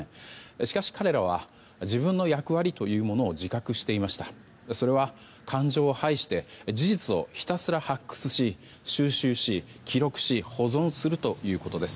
しかし彼らは自分の役割を自覚していてそれは感情を抑えてひたすら発掘し、収集し、記録し保存するということです。